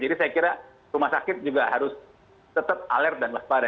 jadi saya kira rumah sakit juga harus tetap aler dan lesbara